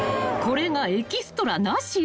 ［これがエキストラなし？］